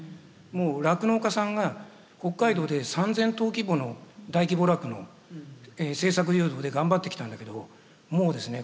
もう酪農家さんが北海道で３，０００頭規模の大規模酪農政策誘導で頑張ってきたんだけどもうですね